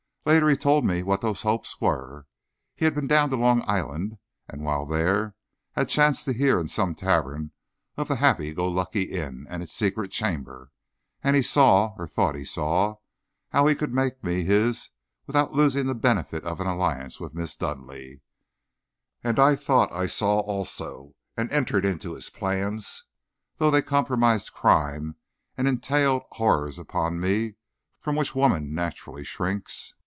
Later he told me what those hopes were. He had been down to Long Island, and, while there, had chanced to hear in some tavern of the Happy Go Lucky Inn and its secret chamber, and he saw, or thought he saw, how he could make me his without losing the benefit of an alliance with Miss Dudleigh. And I thought I saw also, and entered into his plans, though they comprised crime and entailed horrors upon me from which woman naturally shrinks.